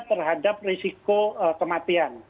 terhadap risiko kematian